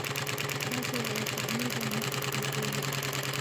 داسې غلط فهمي به نه پېښېږي.